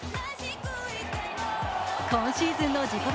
今シーズンの自己